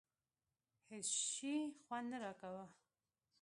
هېڅ شي خوند نه راکاوه.